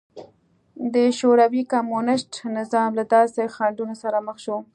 د شوروي کمونېست نظام له داسې خنډونو سره مخ شو